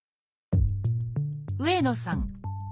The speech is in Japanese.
上野さん